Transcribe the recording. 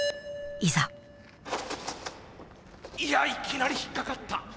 いやいきなり引っかかった。